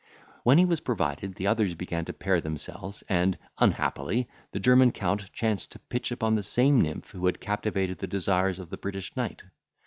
When he was provided, the others began to pair themselves, and, unhappily, the German count chanced to pitch upon the same nymph who had captivated the desires of the British knight.